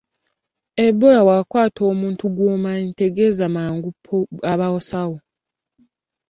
Ebola bw’akwata omuntu gw’omanyi tegeeza mangu abasawo.